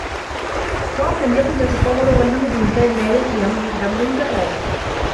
توم لم يكن يتصور أنه بامكان ماري القيام بأمر كهذا.